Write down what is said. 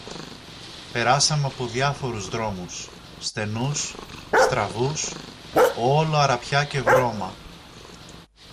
Περάσαμε από διάφορους δρόμους, στενούς, στραβούς, όλο αραπιά και βρώμα